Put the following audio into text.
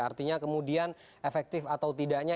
artinya kemudian efektif atau tidaknya